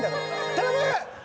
頼む！